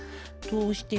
どうして？